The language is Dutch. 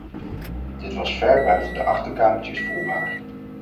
Dit was ver buiten de achterkamertjes voelbaar.